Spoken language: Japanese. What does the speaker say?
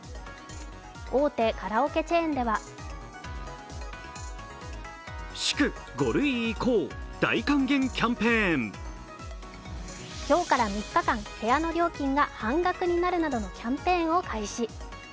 大手カラオケチェーンでは今日から３日間部屋の料金が半額になるなどのキャンペーンを開始。